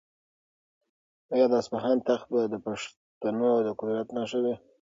آیا د اصفهان تخت به د پښتنو د قدرت نښه وي؟